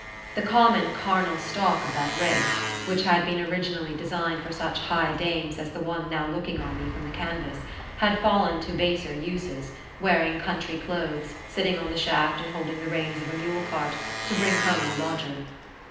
The common, carnal stock of that race, which had been originally designed for such high dames as the one now looking on me from the canvas, had fallen to baser uses, wearing country clothes, sitting on the shaft and holding the reins of a mule cart, to bring home a lodger.